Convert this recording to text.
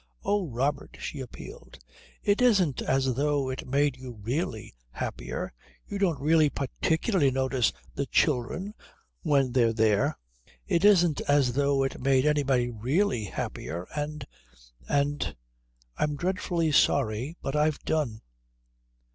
Oh, Robert," she appealed, "it isn't as though it made you really happier you don't really particularly notice the children when they're there it isn't as though it made anybody really happier and and I'm dreadfully sorry, but I've done."